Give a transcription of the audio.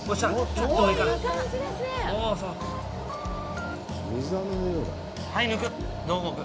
ちょっと上から。